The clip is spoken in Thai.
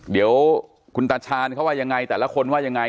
เดี๋ยวคุณตาชาญเขาว่ายังไงแต่ละคนว่ายังไง